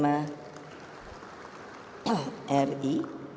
mas menteri agama ri